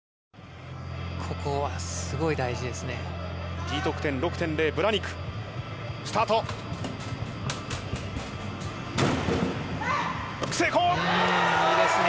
ここはすごい大事ですね。